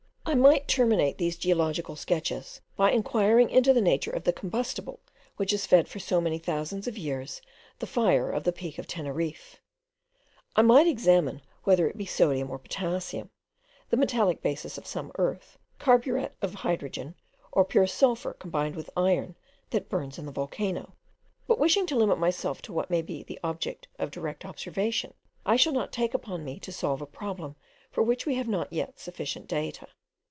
I might terminate these geological sketches by enquiring into the nature of the combustible which has fed for so many thousands of years the fire of the peak of Teneriffe; I might examine whether it be sodium or potassium, the metallic basis of some earth, carburet of hydrogen, or pure sulphur combined with iron, that burns in the volcano; but wishing to limit myself to what may be the object of direct observation, I shall not take upon me to solve a problem for which we have not yet sufficient data.